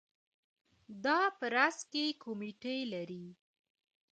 دا په راس کې کمیټې لري.